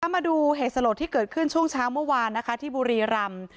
มาดูเหตุสลดที่เกิดขึ้นช่วงเช้าเมื่อวานนะคะที่บุรีรำ